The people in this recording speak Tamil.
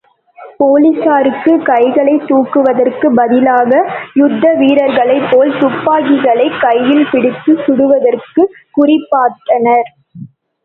போலிஸார், கைகளைத் தூக்குவதற்குப் பதிலாக, யுத்த வீரர்களைப் போல், துப்பாக்கிகளைக் கையில் பிடித்துச் சுடுவதற்குக் குறிபார்த்தனர்.